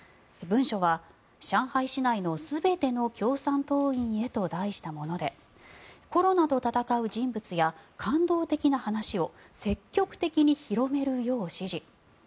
文書は上海市内の全ての共産党員へと題したものでコロナと闘う人物や感動的な話を積極的に広めるよう指示。